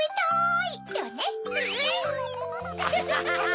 ハハハハ！